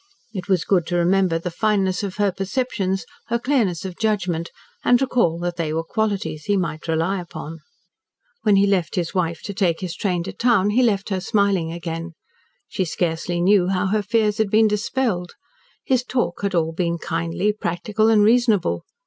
It was good to remember the fineness of her perceptions, her clearness of judgment, and recall that they were qualities he might rely upon. When he left his wife to take his train to town, he left her smiling again. She scarcely knew how her fears had been dispelled. His talk had all been kindly, practical, and reasonable.